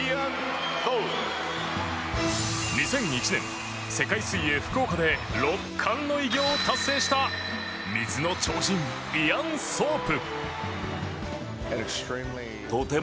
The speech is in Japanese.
２００１年、世界水泳福岡で６冠の偉業を達成した水の超人、イアン・ソープ。